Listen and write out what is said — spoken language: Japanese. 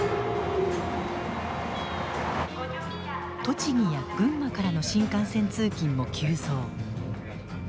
栃木や群馬からの新幹線通勤も急増。